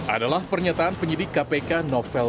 adalah pernyataan penyidik kpk novel